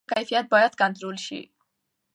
د سرکونو د پخولو کیفیت باید کنټرول شي.